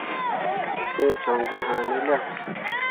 ̃Fẽe joŋ gi haane lian ?